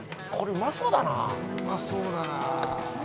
うまそうだなあ。